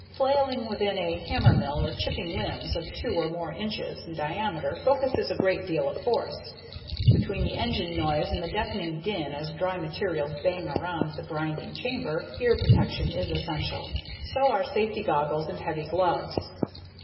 Flailing within a hammermill or chipping limbs of two or more inches in diameter focuses a great deal of force; between the engine noise and the deafening din as dry materials bang around the grinding chamber, ear protection is essential. So are safety goggles and heavy gloves.